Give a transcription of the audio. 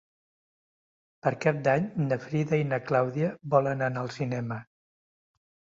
Per Cap d'Any na Frida i na Clàudia volen anar al cinema.